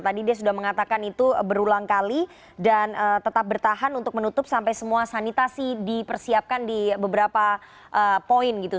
tadi dia sudah mengatakan itu berulang kali dan tetap bertahan untuk menutup sampai semua sanitasi dipersiapkan di beberapa poin gitu